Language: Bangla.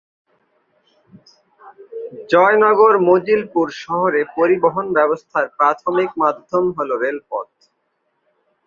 জয়নগর মজিলপুর শহরে পরিবহন ব্যবস্থার প্রাথমিক মাধ্যম হল রেলপথ।